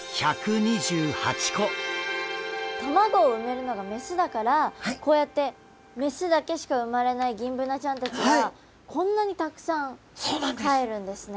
卵を産めるのが雌だからこうやって雌だけしか産まれないギンブナちゃんたちはこんなにたくさんかえるんですね。